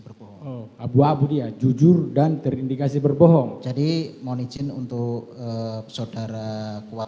berbohong abu abu dia jujur dan terindikasi berbohong jadi mohon izin untuk saudara kuat